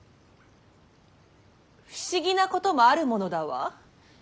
不思議なこともあるものだわ。